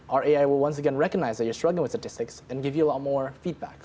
ai kami akan mengakui sekali lagi bahwa anda berjuang dengan statistik dan memberikan anda banyak feedback